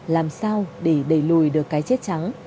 làm sao để đẩy lùi được cái chết trắng